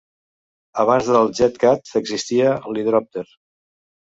Abans del JetCat existia l'hidròpter.